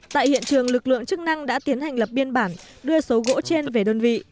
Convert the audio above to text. tại hiện trường lực lượng chức năng đã tiến hành lập biên bản đưa số gỗ trên về đơn vị